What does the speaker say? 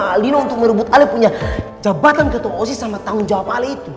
sama alino untuk merebut alih punya jabatan ketua osi sama tanggung jawab alih itu